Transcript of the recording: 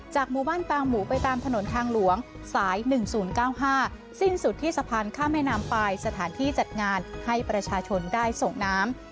หมู่บ้านปางหมูไปตามถนนทางหลวงสาย๑๐๙๕สิ้นสุดที่สะพานข้ามแม่น้ำปลายสถานที่จัดงานให้ประชาชนได้ส่งน้ำ